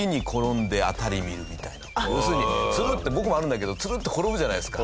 要するにつるって僕もあるんだけどつるっと転ぶじゃないですか。